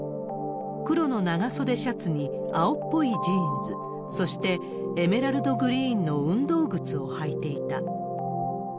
黒の長そでシャツに、青っぽいジーンズ、そして、エメラルドグリーンの運動靴を履いていた。